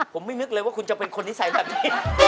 ผมไม่นึกเลยว่าคุณจะเป็นคนนิสัยแบบนี้